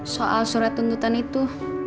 soal surat tuntutan itu